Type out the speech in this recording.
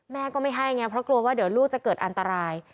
แม่ก็ไม่ให้ไงเพราะกลัวว่าเดี๋ยวลูกจะเกิดอันตราย